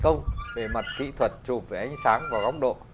không về mặt kỹ thuật chụp về ánh sáng và góc độ